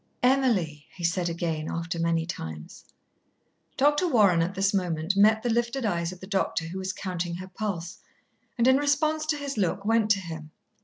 "Emily!" he said again, after many times. Dr. Warren at this moment met the lifted eyes of the doctor who was counting her pulse, and in response to his look went to him.